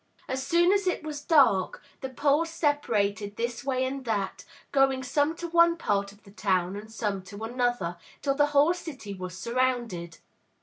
As soon as it was dark, the poles separated this way and that, going some to one part of the town, and some to another, till the whole city was surrounded.